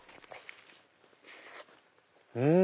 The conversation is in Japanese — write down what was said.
うん！